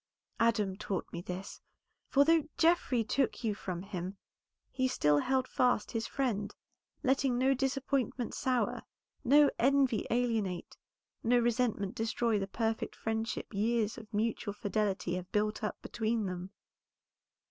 Adam taught me this, for though Geoffrey took you from him, he still held fast his friend, letting no disappointment sour, no envy alienate, no resentment destroy the perfect friendship years of mutual fidelity have built up between them."